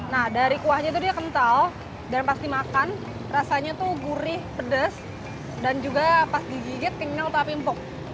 nah dari kuahnya itu dia kental dan pas dimakan rasanya tuh gurih pedas dan juga pas digigit tinggal tapi empuk